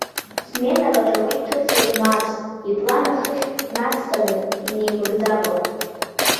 Сменак аҿы уи дҭыҵны дмаац, иплан ахыхь инацҵаны инеимыгӡакәа.